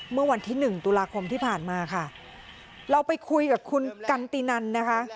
เมื่อวันที่หนึ่งตุลาคมที่ผ่านมาค่ะเราไปคุยกับคุณกันตินันนะคะ